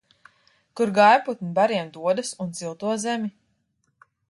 Kur gājputni bariem dodas un silto zemi?